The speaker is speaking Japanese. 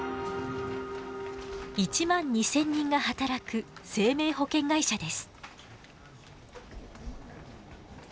１万２，０００人が働く生命保険会社です。